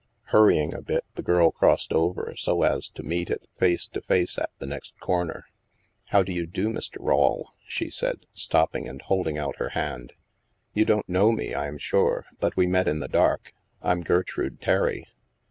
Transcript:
Hurrying a bit, the girl crossed over so as to meet it face to face at the next corner. " How do you do, Mr. Rawle?" she said, stop ping and holding out her hand. " You don't know me, I am sure, for we met in the dark. I'm Ger trude Terry."